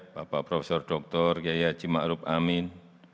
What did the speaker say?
bapak profesor doktor yaya cima'ruf amin